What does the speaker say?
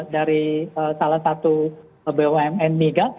dari salah satu bumn migas